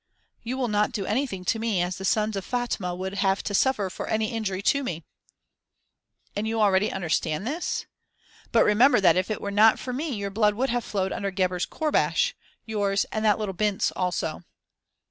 "You will not do anything to me as the sons of Fatma would have to suffer for any injury to me." "And you already understand this? But remember that if it was not for me, your blood would have flowed under Gebhr's courbash yours and that little 'bint's' also."